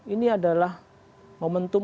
ini adalah momentum